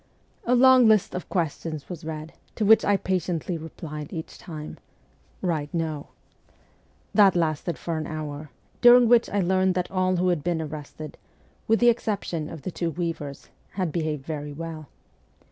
A long list of questions was read, to which I patiently replied each time, 'Write "No." That lasted for an hour, during which I learned that all who had been arrested, with the exception of the two weavers, had behaved very well.